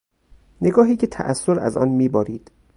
نگاهی که تاثر از آن میبارید